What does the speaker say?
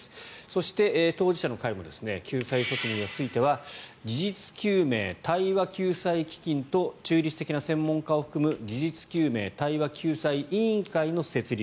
そして当事者の会も救済措置については事実究明・対話救済基金と中立的な専門家を含む事実究明・対話救済委員会の設立